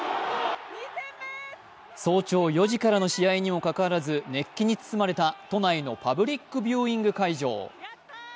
早朝４時からの試合にもかかわらず、熱気に包まれた都内のパブリックビューイング会場。